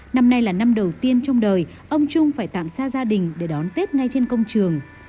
năm nay là năm đầu tiên trong đời ông trung phải tạm xa gia đình để đón tết ngay trên công trường